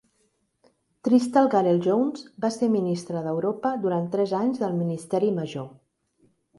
Tristan Garel-Jones va ser ministre d'Europa durant tres anys del Ministeri major.